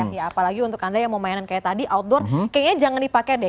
ya apalagi untuk anda yang mau mainan kayak tadi outdoor kayaknya jangan dipakai deh